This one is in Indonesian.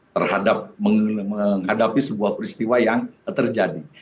terhadap menghadapi sebuah peristiwa yang terjadi